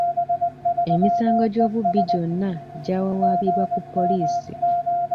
Emisango gy'obubbi gyonna gyawawaabirwa ku poliisi.